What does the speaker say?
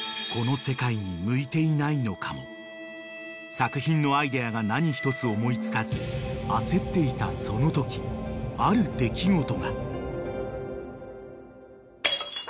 ［作品のアイデアが何一つ思い付かず焦っていたそのときある出来事が］